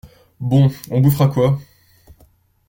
Bon, on bouffera quoi?